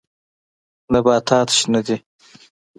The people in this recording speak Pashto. نباتات شنه دي.